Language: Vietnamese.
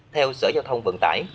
theo sở giao thông vận tải